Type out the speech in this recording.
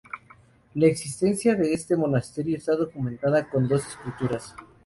La existencia de este monasterio está documentada con dos escrituras.